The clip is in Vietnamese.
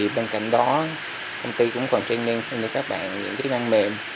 bên cạnh đó công ty cũng còn training cho các bạn những kỹ năng mềm